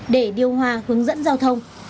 để điều hòa hướng dẫn giao thông